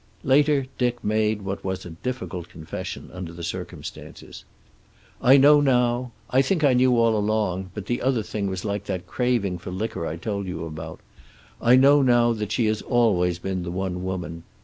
Later Dick made what was a difficult confession under the circumstances. "I know now I think I knew all along, but the other thing was like that craving for liquor I told you about I know now that she has always been the one woman.